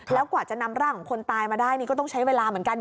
แล้วกว่าจะนำร่างของคนตายมาได้นี่ก็ต้องใช้เวลาเหมือนกัน